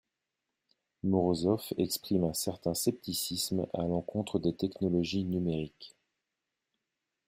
Morozov exprime un certain scepticisme à l’encontre des technologies numériques.